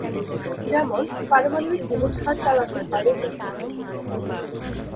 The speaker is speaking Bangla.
যেমন, পারমাণবিক ডুবোজাহাজ চালাতে বায়ুর দরকার নেই।